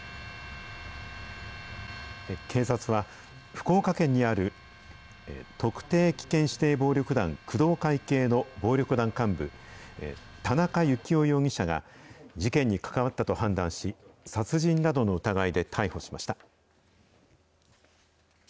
警察は、福岡県にある特定危険指定暴力団工藤会系の暴力団幹部、田中幸雄容疑者が、事件に関わったと判断し、殺人などの疑いで逮捕しました。